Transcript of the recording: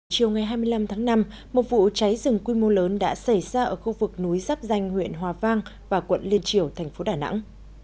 chiều ngày hai mươi năm tháng năm một vụ cháy rừng quy mô lớn đã xảy ra ở khu vực núi giáp danh huyện hòa vang và quận liên triều thành phố đà nẵng